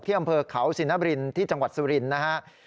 เที่ยมเผลอเขาสินบรินทร์ที่จังหวัดสุรินทร์นะครับ